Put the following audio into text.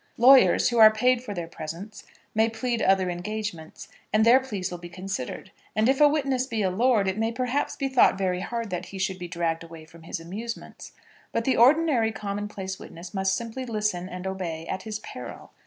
Lawyers, who are paid for their presence, may plead other engagements, and their pleas will be considered; and if a witness be a lord, it may perhaps be thought very hard that he should be dragged away from his amusements. But the ordinary commonplace witness must simply listen and obey at his peril.